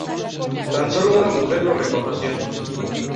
Tan sólo una mujer lo reconoció.